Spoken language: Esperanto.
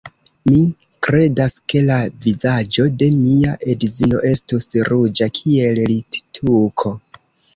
Mi kredas, ke la vizaĝo de mia edzino estus ruĝa kiel littuko.